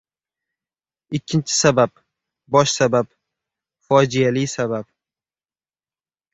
Ikkinchi sabab… bosh sabab! Fojiali sabab!